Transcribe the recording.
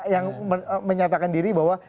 yang menyatakan diri bahwa